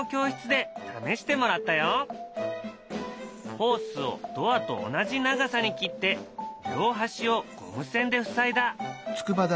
ホースをドアと同じ長さに切って両端をゴム栓で塞いだ。